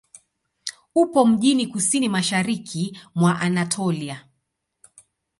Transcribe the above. Upo mjini kusini-mashariki mwa Anatolia.